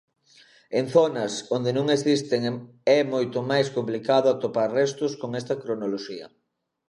En zonas onde non existen é moito máis complicado atopar restos con esta cronoloxía.